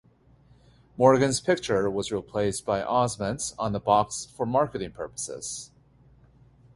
Morgan's picture was replaced by Osment's on the box for marketing purposes.